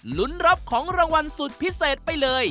ลุ้นรับของรางวัลสุดพิเศษไปเลย